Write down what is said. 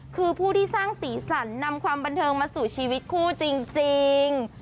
คือผู้ที่สร้างสีสันนำความบันเทิงมาสู่ชีวิตคู่จริง